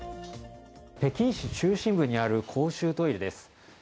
北京市中心部にある公衆トイレです。